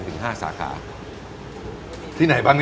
จริงจริง